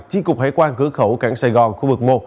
tri cục hải quan cửa khẩu cảng sài gòn khu vực một